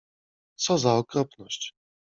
Co za okropność!